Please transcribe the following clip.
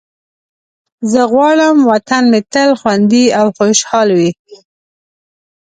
زه غواړم وطن مې تل خوندي او خوشحال وي.